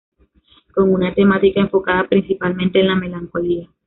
Con una temática enfocada principalmente en la melancolía.